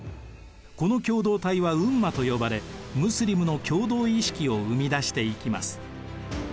この共同体はウンマと呼ばれムスリムの共同意識を生み出していきます。